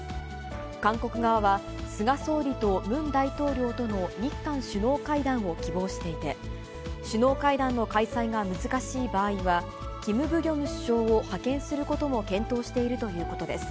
韓国側は、菅総理とムン大統領との日韓首脳会談を希望していて、首脳会談の開催が難しい場合は、キム・ブギョム首相を派遣することも検討しているということです。